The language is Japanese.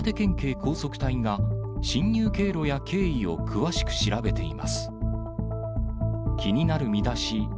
高速隊が、進入経路や経緯を詳しく調べています。